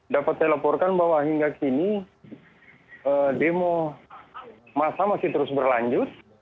dapat saya laporkan bahwa hingga kini demo masa masih terus berlanjut